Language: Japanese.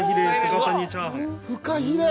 フカヒレ！